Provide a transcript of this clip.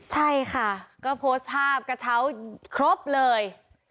ใช่ค่ะก็โพสต์ภาพกระเช้าครบเลย